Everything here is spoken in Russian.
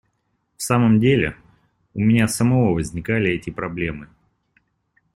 В самом деле, у меня самого возникали эти проблемы.